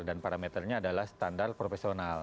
dan parameternya adalah standar profesional